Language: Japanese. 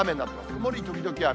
曇り時々雨。